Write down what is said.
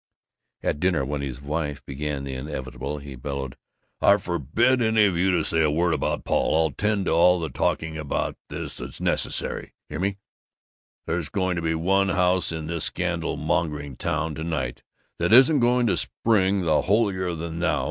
At dinner, when his wife began the inevitable, he bellowed, "I forbid any of you to say a word about Paul! I'll 'tend to all the talking about this that's necessary, hear me? There's going to be one house in this scandal mongering town to night that isn't going to spring the holier than thou.